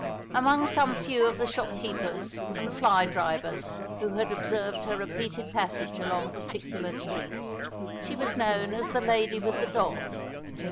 Among some few of the shopkeepers and fly drivers who had observed her repeated passage along particular streets, she was known as the lady with the dog.